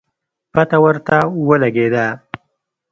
پته ورته ولګېده